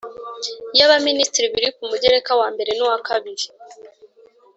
Y abaminisitiri biri ku mugereka wa i n uwa ii